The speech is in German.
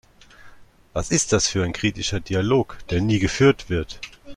Was ist das für ein kritischer Dialog, der nie geführt wird?